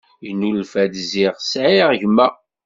Yennulfa-d ziɣ sεiɣ gma.